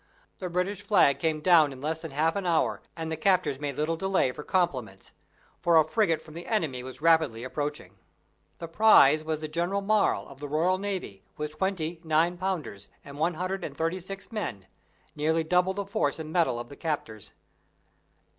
The British flag came down in less than half an hour, and the captors made little delay for compliments, for a frigate from the enemy was rapidly approaching. The prize was the General Marle, of the Royal Navy, with twenty nine pounders, and one hundred and thirty six men; nearly double the force and metal of the captors.